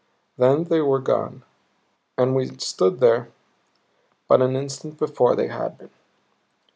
Then they were gone and we stood where but an instant before they had been.